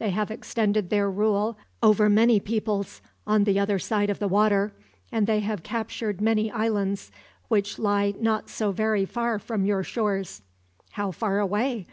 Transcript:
They have extended their rule over many peoples, on the other side of the water; and they have captured many islands which lie not so very far from your shores." "How far away?"